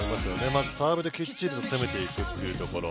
まずサーブできっちり攻めていくというところ。